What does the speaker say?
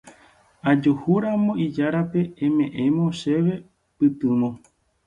Ajuhúramo ijárape eme'ẽmo chéve pytyvõ.